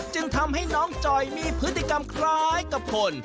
จึงทำให้น้องจอยมีพฤติกรรมคล้ายกับคน